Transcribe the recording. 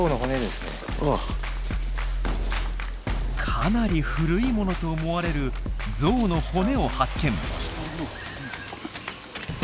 かなり古いものと思われるゾウの骨を発見。